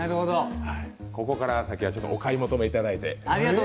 ここから先はお買い求めいただいて。